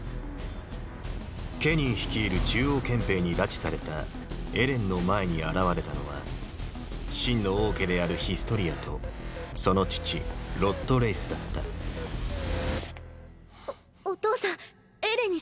ケニー率いる中央憲兵に拉致されたエレンの前に現れたのは真の王家であるヒストリアとその父ロッド・レイスだったおお父さんエレンに説明を。